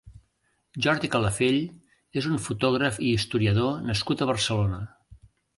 Jordi Calafell és un fotògraf i historiador nascut a Barcelona.